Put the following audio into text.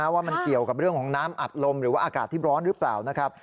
ว่ามันเกี่ยวกับเรื่องของน้ำอัดลมหรือว่าอากาศที่ร้อนหรือเปล่านะครับ